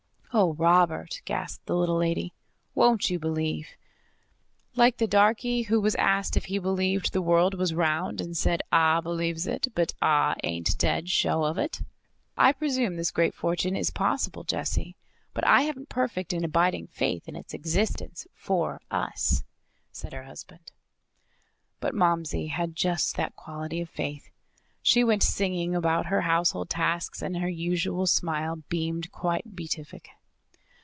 "Oh, Robert!" gasped the little lady. "Won't you believe?" "Like the darkey who was asked if he believed the world was round, and said, 'Ah believes it, but Ah ain't dead sho' of it.' I presume this great fortune is possible, Jessie, but I haven't perfect and abiding faith in its existence, FOR us," said her husband. But Momsey had just that quality of faith. She went singing about her household tasks and her usual smile beamed quite beatific.